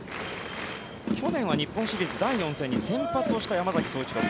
去年は日本シリーズ第４戦に先発をした山崎颯一郎。